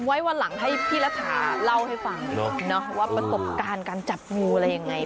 วันหลังให้พี่รัฐาเล่าให้ฟังว่าประสบการณ์การจับงูอะไรยังไง